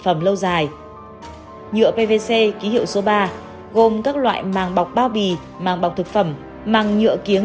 phẩm lâu dài nhựa pvc ký hiệu số ba gồm các loại màng bọc bao bì màng bọc thực phẩm màng nhựa kiến